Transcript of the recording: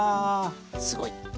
すごい。